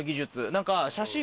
何か。